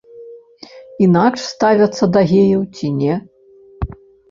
Інакш ставяцца да геяў ці не?